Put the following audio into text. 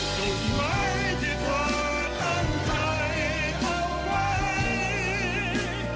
จุดหมายที่เธอตั้งใจเอาไว้